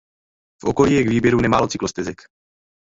V okolí je k výběru nemálo cyklostezek.